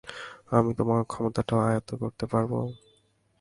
আমি তোমার ক্ষমতাটাও আয়ত্ত করতে পারবো?